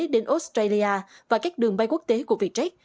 đến australia và các đường bay quốc tế của vietjet